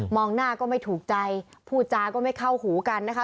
หน้าก็ไม่ถูกใจพูดจาก็ไม่เข้าหูกันนะคะ